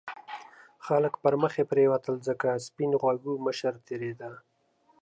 خلک پرمخې پرېوتل ځکه سپین غوږو مشر تېرېده.